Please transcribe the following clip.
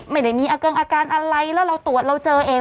ไม่ได้มีอาเกิงอาการอะไรแล้วเราตรวจเราเจอเอง